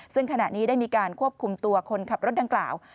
ซึ่งขณะนี้ได้มีการควบคุมตัวคนขับรถดังกล่าว